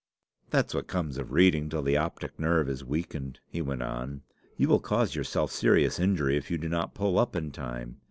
"'That's what comes of reading till the optic nerve is weakened," he went on. 'You will cause yourself serious injury if you do not pull up in time.